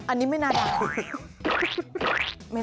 อันนี้ไม่น่าด่า